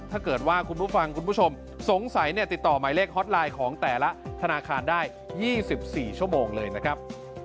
ถ้าเกิดว่าคุณผู้ฟังคุณผู้ชมสงสัยเนี่ยติดต่อหมายเลขฮอตไลน์ของแต่ละธนาคารได้๒๔ชั่วโมงเลยนะครับ